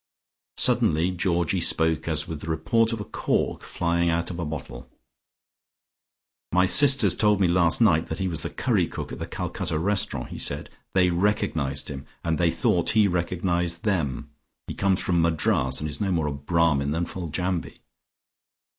Suddenly Georgie spoke, as with the report of a cork flying out of a bottle. "My sisters told me last night that he was the curry cook at the Calcutta restaurant," he said. "They recognised him, and they thought he recognised them. He comes from Madras, and is no more a Brahmin than Foljambe."